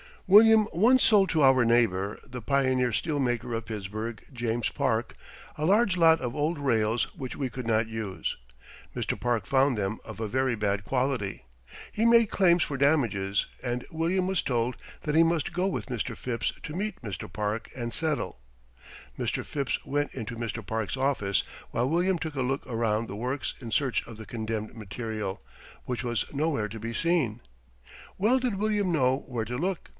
William once sold to our neighbor, the pioneer steel maker of Pittsburgh, James Park, a large lot of old rails which we could not use. Mr. Park found them of a very bad quality. He made claims for damages and William was told that he must go with Mr. Phipps to meet Mr. Park and settle. Mr. Phipps went into Mr. Park's office, while William took a look around the works in search of the condemned material, which was nowhere to be seen. Well did William know where to look.